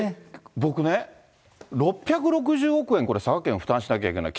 僕ね、６６０億円、これ、佐賀県が負担しなきゃいけない。